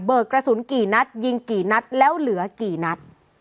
กระสุนกี่นัดยิงกี่นัดแล้วเหลือกี่นัด